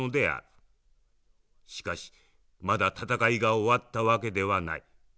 しかしまだ戦いが終わったわけではない。